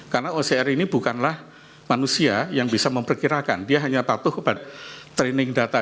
karena ocr ini bukanlah manusia yang bisa memperkirakan dia hanya patuh kepada training data